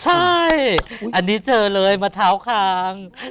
ใช่อันนี้เจอเลยมะเท้าคาง